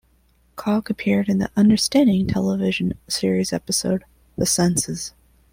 Cog appeared in the "Understanding" television series episode "The Senses".